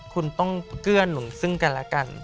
คุณต้องเกื้อหนุนซึ่งกันและกัน